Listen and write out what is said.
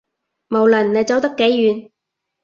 無論你走得幾遠